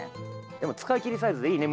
でも使い切りサイズでいいね